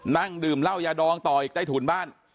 นั่งดื่มเหล้ายาดองต่ออีกใต้ถุนบ้าน